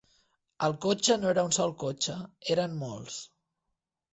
El cotxe no era un sol cotxe, eren molts